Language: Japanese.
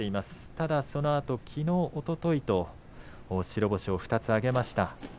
ただ、きのう、おとといと白星を２つ挙げました。